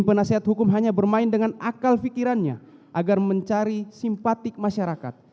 penasehat hukum hanya bermain dengan akal pikirannya agar mencari simpatik masyarakat